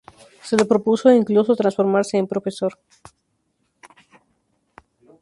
Se le propuso incluso transformarse en profesor.